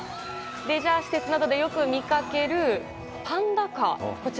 レジャー施設などでよく見かけるパンダカー